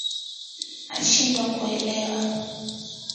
Nashindwa kuelewa